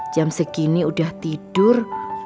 jam segini udah tidur